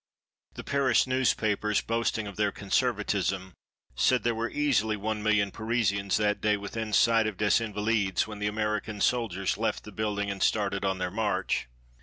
The Paris newspapers, boasting of their conservatism, said there were easily one million Parisians that day within sight of des Invalides when the American soldiers left the building and started on their march.